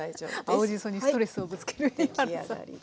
青じそにストレスをぶつける井原さん。